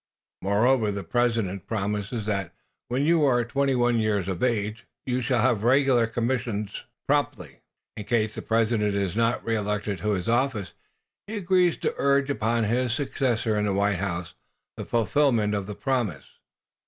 Moreover, the President promises that, when you are twenty one years of age, you shall have regular commissions promptly. In case the President is not re elected to his office, he agrees to urge upon his successor in the White House the fulfilment of the promise.